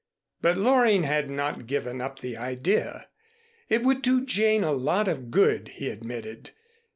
But Loring had not given up the idea. It would do Jane a lot of good, he admitted.